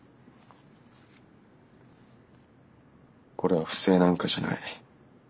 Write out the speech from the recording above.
これは不正なんかじゃない。